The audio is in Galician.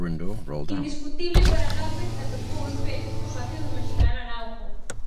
Indiscutible para López que atopou en Pérez o socio do mexicano Araujo.